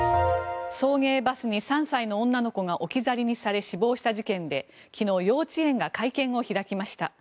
送迎バスに３歳の女の子が置き去りにされ死亡した事件で昨日、幼稚園が会見を開きました。